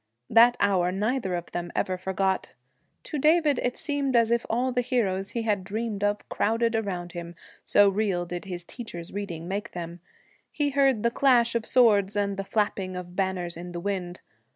That hour neither of them ever forgot. To David it seemed as if all the heroes he had dreamed of crowded around him, so real did his teacher's reading make them. He heard the clash of swords and the flapping of banners in the wind.